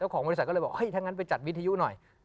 แล้วของบริษัทก็เลยบอกถ้าอย่างนั้นไปจัดวิทยุหน่อย